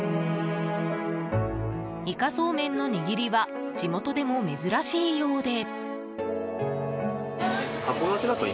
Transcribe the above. いかソーメンの握りは地元でも珍しいようで。